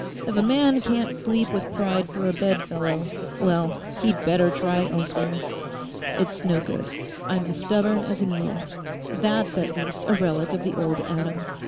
If a man can't sleep with pride for a bed fellow, well, he'd better try elsewhere. It's no good; I'm as stubborn as a mule; that's at least a relic of the old Adam.